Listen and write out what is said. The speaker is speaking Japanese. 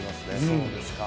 そうですか。